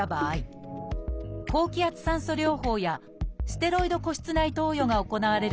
高気圧酸素療法やステロイド鼓室内投与が行われることがあります